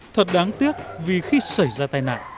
thật đáng tiếc vì khi xảy ra tai nạn